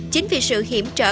chính vì sự hiểm trở